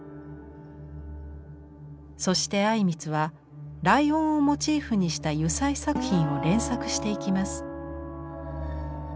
そして靉光はライオンをモチーフにした油彩作品を連作していきます。